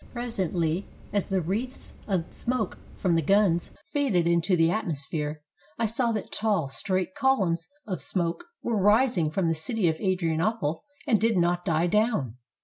Presently, as the wreaths of smoke from the guns faded into the atmosphere, I saw that tall, straight columns of smoke were rising from the city of Adrianople and did not die down.